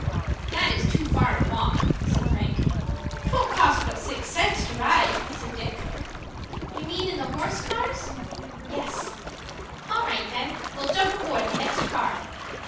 "That is too far to walk," said Frank. "'Twon't cost but six cents to ride," said Dick. "You mean in the horse cars?" "Yes." "All right then. We'll jump aboard the next car."